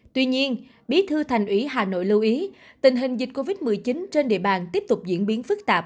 tuy nhiên bí thư thành ủy hà nội lưu ý tình hình dịch covid một mươi chín trên địa bàn tiếp tục diễn biến phức tạp